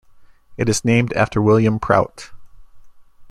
It is named after William Prout.